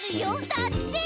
だって。